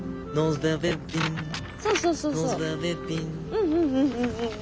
うんうんうんうん。